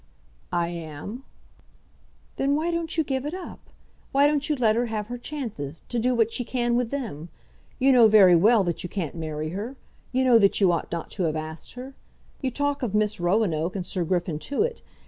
"I am." "Then why don't you give it up? Why don't you let her have her chances, to do what she can with them? You know very well that you can't marry her. You know that you ought not to have asked her. You talk of Miss Roanoke and Sir Griffin Tewett.